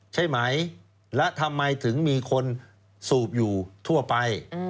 ใช่ไหมและทำไมถึงมีคนสูบอยู่ทั่วไป